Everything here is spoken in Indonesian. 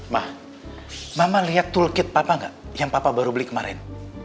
ma mama liat toolkit papa gak yang papa baru beli kemarin